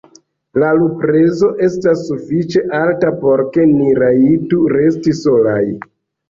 La luprezo estas sufiĉe alta, por ke ni rajtu resti solaj.